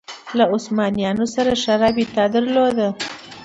له عثمانیانو سره ښه رابطه درلوده